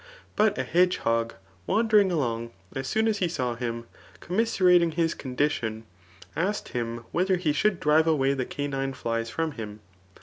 But a hedgehog wandering alcmg, as soon as he saw him, commiseradng his con dition, asked him whether be should drive away the canine flies from him.